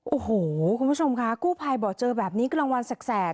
โอ้โหคุณผู้ชมค่ะกู้ไพรเบาะเจอแบบนี้ก็รางวัลแสด